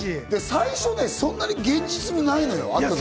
最初ね、そんなに現実味ないのよ。